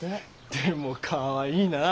でもかわいいなあ。